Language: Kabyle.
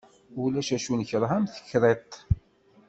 Ulac acu nekreh am tekriṭ.